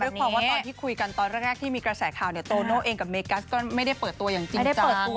ความว่าตอนที่คุยกันตอนแรกที่มีกระแสข่าวเนี่ยโตโน่เองกับเมกัสก็ไม่ได้เปิดตัวอย่างจริงจัง